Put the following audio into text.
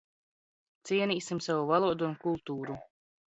Cienīsim savu valodu un kultūru!